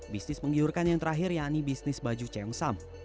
bisnis penggiurkan yang terakhir yakni bisnis baju ceyong sam